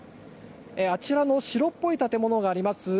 あちらの白っぽい建物があります